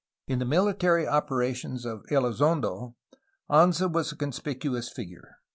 In the mihtary opera tions of Elizondo, Anza was a conspicuous figure.